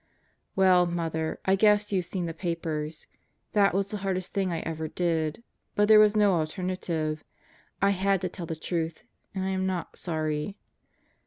Well, Mother, I guess you've seen the papers. That was the hardest thing I ever did. But there was no alternative. I had to tell the truth. And I am not sorry.